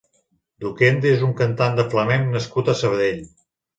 Duquende és un cantant de flamenc nascut a Sabadell.